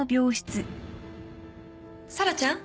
紗良ちゃん？